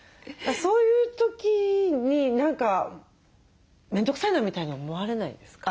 そういう時に何か面倒くさいなみたいに思われないですか？